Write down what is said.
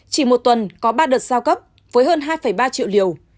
chỉ một tuần có ba đợt giao cấp với hơn hai ba triệu liều